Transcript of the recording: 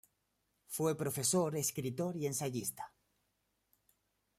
Fue profesor, escritor y ensayista.